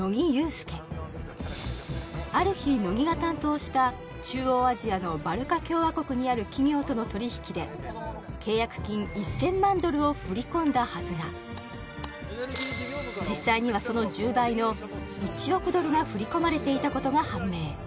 助ある日乃木が担当した中央アジアのバルカ共和国にある企業との取引で契約金１０００万ドルを振り込んだはずが実際にはその１０倍の１億ドルが振り込まれていたことが判明